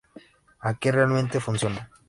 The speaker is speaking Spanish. Aquí, realmente funciona".